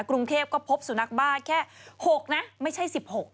กรุงเทพก็พบสุนัขบ้าแค่๖นะไม่ใช่๑๖